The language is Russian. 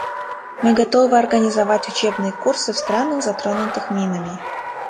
Мы готовы организовать учебные курсы в странах, затронутых минами.